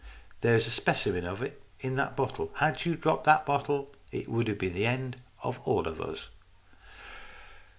There is a specimen of it in that bottle. Had you dropped the bottle, it would have been the end of all of us."